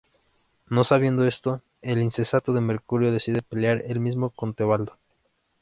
No sabiendo esto, el insensato de Mercucio decide pelear el mismo con Teobaldo.